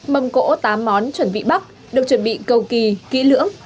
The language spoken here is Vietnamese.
mâm cỗ tám món chuẩn bị bắp được chuẩn bị cầu kỳ kỹ lưỡng